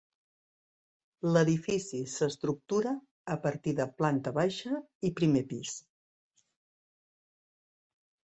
L'edifici s'estructura a partir de planta baixa i primer pis.